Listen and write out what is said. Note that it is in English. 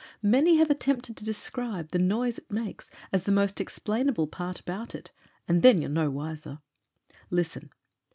Many have attempted to describe the noise it makes as the most explainable part about it And then you're no wiser. Listen.